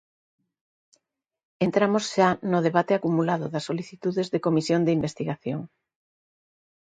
Entramos xa no debate acumulado das solicitudes de comisión de investigación.